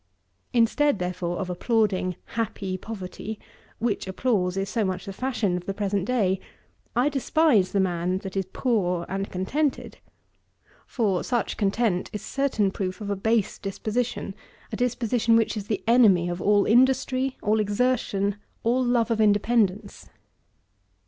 Instead, therefore, of applauding "happy poverty," which applause is so much the fashion of the present day, I despise the man that is poor and contented; for, such content is a certain proof of a base disposition, a disposition which is the enemy of all industry, all exertion, all love of independence.